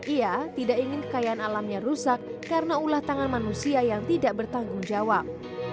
ia tidak ingin kekayaan alamnya rusak karena ulah tangan manusia yang tidak bertanggung jawab